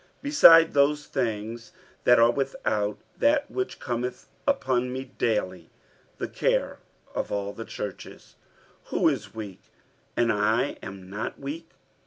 47:011:028 Beside those things that are without, that which cometh upon me daily, the care of all the churches. 47:011:029 Who is weak, and I am not weak?